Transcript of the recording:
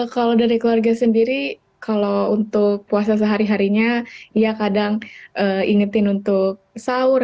kalau dari keluarga sendiri kalau untuk puasa sehari harinya ya kadang ingetin untuk sahur